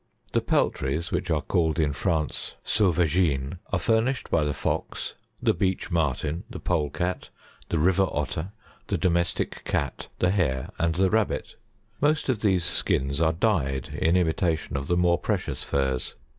72. [The peltries, which are called in France, Sauvagines, are furnished by the Fox, the Beech Marten, the Pole Cat, the River Otter, the Domestic Cat, the Hare and Rabbit. Most of these skins are dyed in imitation of the more precious furs.